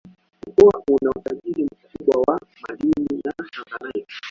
Mkoa una utajiri mkubwa wa madini ya Tanzanite